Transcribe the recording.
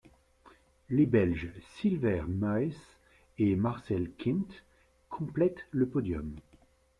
Les Belges Sylvère Maes et Marcel Kint complètent le podium.